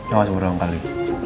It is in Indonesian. awas burung kali